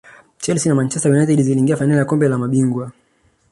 chelsea na manchester united ziliingia fainali ya kombe la mabingwa